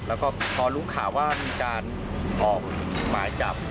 แล้วก็พอรู้ข่าวว่ามีการออกหมายจับ